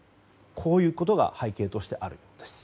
こういうことが背景としてあるようです。